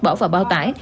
bỏ vào bao tải